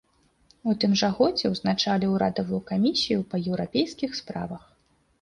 У тым жа годзе узначаліў урадавую камісію па еўрапейскіх справах.